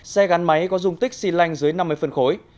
xe gắn máy có dung tích xy lanh dưới năm mươi phân khối